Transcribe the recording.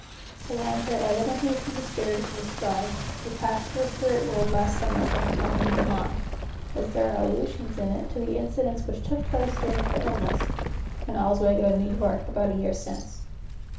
The lines are evidently from the spirit of Miss Sprague, who passed to the spirit world last summer, from her home in Vermont, as there are allusions in it to incidents which took place during her illness, in Oswego, N. Y., about a year since.